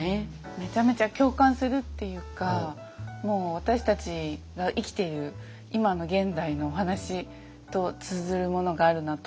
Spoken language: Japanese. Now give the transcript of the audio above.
めちゃめちゃ共感するっていうか私たちが生きている今の現代のお話と通ずるものがあるなと思いましたね。